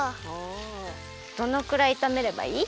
どのくらいいためればいい？